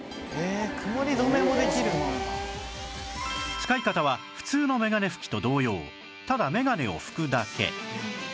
使い方は普通のメガネ拭きと同様ただメガネを拭くだけ